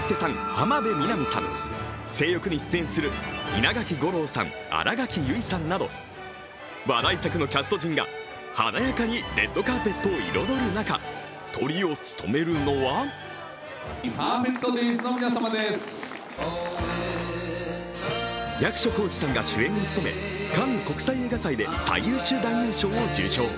浜辺美波さん、「正欲」に出演する稲垣吾郎さん、新垣結衣さんなど話題作のキャスト陣が華やかにレッドカーペットを彩る中、トリを務めるのは役所広司さんが主演を務めカンヌ国際映画祭で最優秀男優賞を受賞。